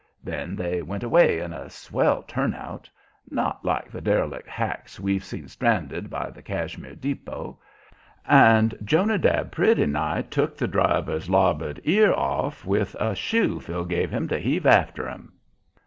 Then they went away in a swell turnout not like the derelict hacks we'd seen stranded by the Cashmere depot and Jonadab pretty nigh took the driver's larboard ear off with a shoe Phil gave him to heave after 'em.